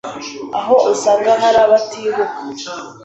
aho usanga hari abatibuka